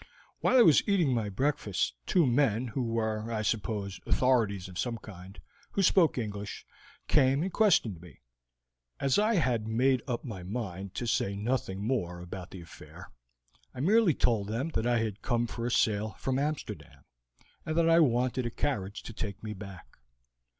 While I was eating my breakfast two men who were, I suppose, authorities of some kind who spoke English, came and questioned me. As I had made up my mind to say nothing more about the affair, I merely told them that I had come for a sail from Amsterdam, and that I wanted a carriage to take me back.